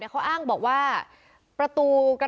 ทีมข่าวเราก็พยายามสอบปากคำในแหบนะครับ